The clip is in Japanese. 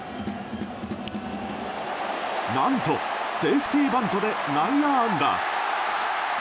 何と、セーフティーバントで内野安打。